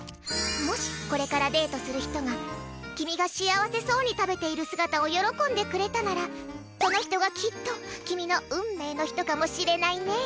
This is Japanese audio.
もし、これからデートする人が君が幸せそうに食べている姿を喜んでくれたならその人がきっと君の運命の人かもしれないね。